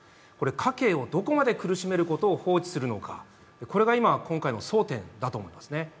家計をどこまで苦しめることを放置するのか、これが今回の争点だと思いますね。